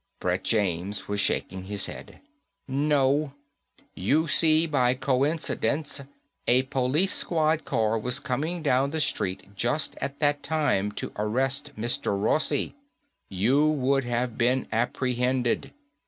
Brett James was shaking his head. "No. You see, by coincidence, a police squad car was coming down the street just at that moment to arrest Mr. Rossi. You would have been apprehended.